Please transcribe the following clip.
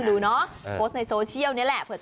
นี่คือเทคนิคการขาย